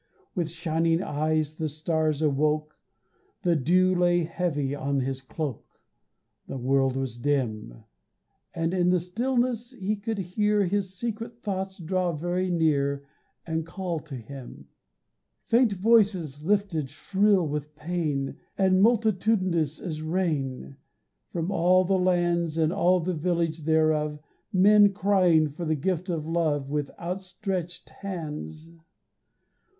With shining eyes the stars awoke, The dew lay heavy on his cloak, The world was dim; And in the stillness he could hear His secret thoughts draw very near And call to him. Faint voices lifted shrill with pain And multitudinous as rain; From all the lands And all the villages thereof Men crying for the gift of love With outstretched hands.